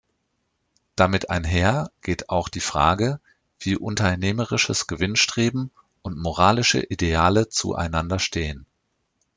Damit einher geht auch die Frage, wie unternehmerisches Gewinnstreben und moralische Ideale zueinander stehen.